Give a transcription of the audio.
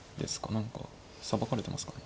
何かさばかれてますかね。